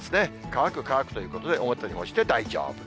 乾く、乾くということで、表に干して大丈夫。